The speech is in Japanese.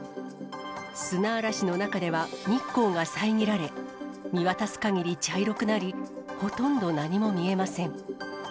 砂嵐の中では、日光が遮られ、見渡すかぎり茶色くなり、ほとんど何も見えません。